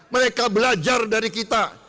mereka belajar dari kita